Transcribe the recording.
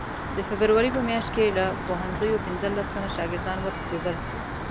د فبروري په میاشت کې له پوهنځیو پنځلس تنه شاګردان وتښتېدل.